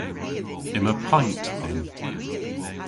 Yma paynt dhyn.